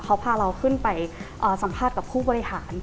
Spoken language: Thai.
เขาพาเราขึ้นไปสัมภาษณ์กับผู้บริหาร